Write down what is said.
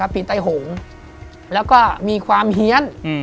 ปีใต้หงแล้วก็มีความเฮียน